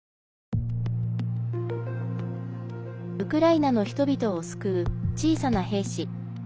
ウクライナの人々を救う小さな兵士。